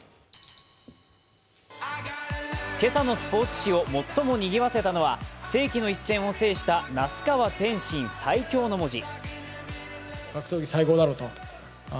今朝のスポーツ紙を最も賑わせたのは世紀の一戦を制した「那須川天心最強」の文字。